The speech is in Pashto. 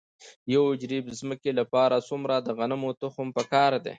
د یو جریب ځمکې لپاره څومره د غنمو تخم پکار دی؟